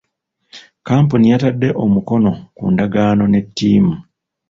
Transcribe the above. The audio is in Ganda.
Kkampuni yatadde omukono ku ndagaano ne ttiimu.